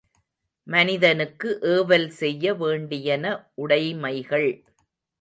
மனிதனுக்கு ஏவல் செய்ய வேண்டியன உடைமைகள்.